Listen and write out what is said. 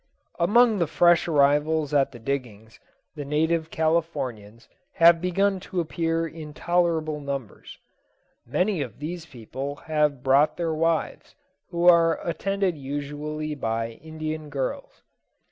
Among the fresh arrivals at the diggings the native Californians have begun to appear in tolerable numbers. Many of these people have brought their wives, who are attended usually by Indian girls.